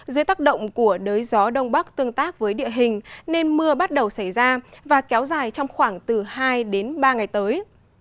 dưới tác động của đới gió đông bắc tương tác với địa hình nên mưa bắt đầu xảy ra và kéo dài trong khoảng từ hai đến ba ngày tới